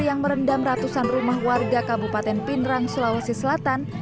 yang merendam ratusan rumah warga kabupaten pinerang sulawesi selatan